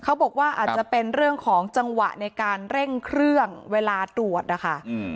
เขาบอกว่าอาจจะเป็นเรื่องของจังหวะในการเร่งเครื่องเวลาตรวจนะคะ